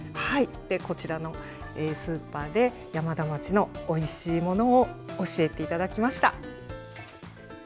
こちらのスーパーで、山田町のおいしいものを教えていただきました。